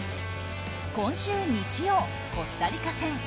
今週日曜、コスタリカ戦。